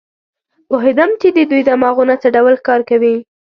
پوهېدم چې د دوی دماغونه څه ډول کار کوي.